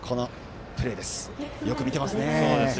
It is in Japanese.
よく見てますね。